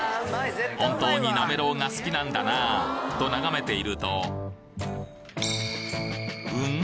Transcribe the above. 本当になめろうが好きなんだなと眺めているとん？